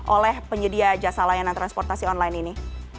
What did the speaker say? oleh penyedia jasa layanan transportasi online ini